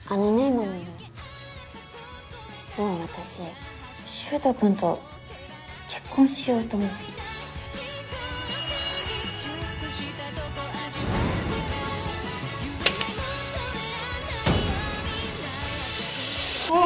衛実は私柊人君と結婚しようと思ってああ！